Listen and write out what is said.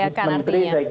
assalamualaikum mbadu s